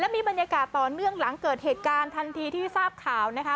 มีบรรยากาศต่อเนื่องหลังเกิดเหตุการณ์ทันทีที่ทราบข่าวนะคะ